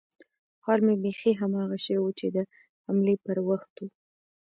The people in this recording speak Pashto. حال مې بيخي هماغه شى و چې د حملې پر وخت و.